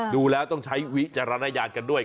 ดูแล้วต้องใช้วิจารณญาณกันด้วย